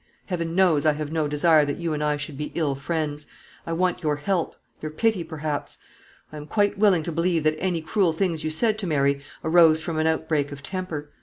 Heaven knows I have no desire that you and I should be ill friends. I want your help; your pity, perhaps. I am quite willing to believe that any cruel things you said to Mary arose from an outbreak of temper.